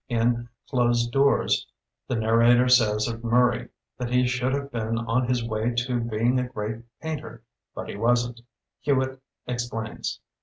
In "Closed Doors" the narrator says of Murray that he should have been on his way to being a great painter ; but he wasn't. Hewitt explains.